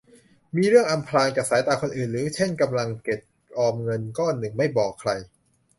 มีเรื่องอำพรางจากสายตาคนอื่น หรือเช่นกำลังเก็บออมเงินก้อนหนึ่งไม่บอกใคร